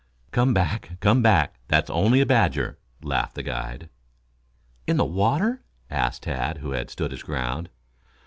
"Come back, come back. That was only a badger," laughed the guide. "In the water?" asked Tad, who had stood his ground.